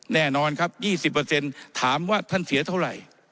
แน่นอนครับ๒๐ถามว่าท่านเสียเท่าไหร่